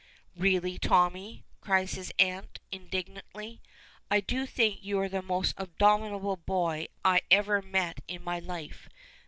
"Really, Tommy," cries his aunt, indignantly, "I do think you are the most abominable boy I ever met in my life.